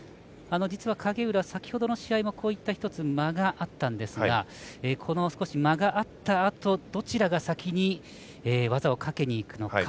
実は影浦、先ほどの試合もこういった間があったんですが間があったあとどちらが先に技をかけにいくのか。